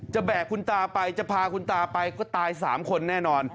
แบกคุณตาไปจะพาคุณตาไปก็ตาย๓คนแน่นอน